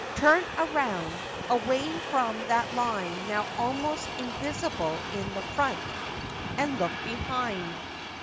Turn around, away from that line now almost in visible in front, and look behind.